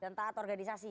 dan taat organisasi